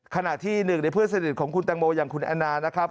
ขณะที่๑ในเพื่อนเสด็จของคุณแต่งโมอย่างคุณอันนานะครับ